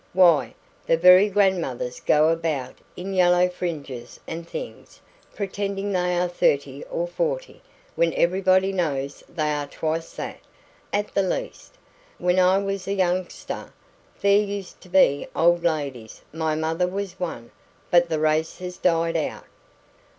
Why, the very grandmothers go about in yellow fringes and things, pretending they are thirty or forty, when everybody knows they are twice that, at the least. When I was a youngster, there used to be old ladies my mother was one; but the race has died out."